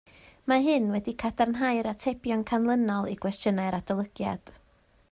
Mae hyn wedi cadarnhau'r atebion canlynol i gwestiynau'r adolygiad